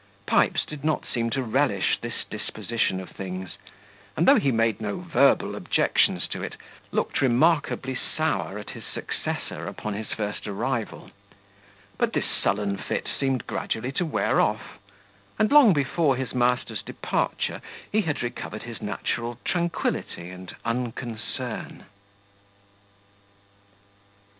Pipes did not seem to relish this disposition of things; and though he made no verbal objections to it, looked remarkably sour at his successor upon his first arrival; but this sullen fit seemed gradually to wear off; and long before his master's departure, he had recovered his natural tranquility and unconcern.